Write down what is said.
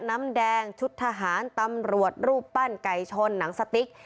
น้ำแดงชุดทหารตำรวจรูปปั้นไก่ชนหนังสติ๊ก